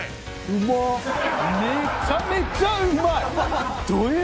めちゃめちゃうまい！